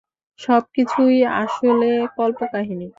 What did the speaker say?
সবকিছুই আসলে কল্প কাহিনী!